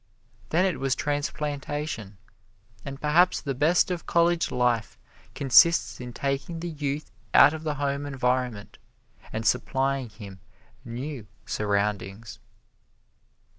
Then it was transplantation, and perhaps the best of college life consists in taking the youth out of the home environment and supplying him new surroundings.